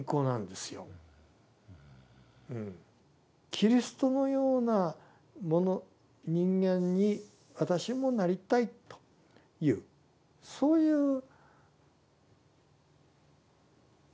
キリストのような者人間に私もなりたいというそういうなんか一歩なんです。